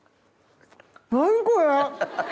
何これ！